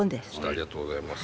ありがとうございます。